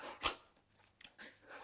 saya orang you clergy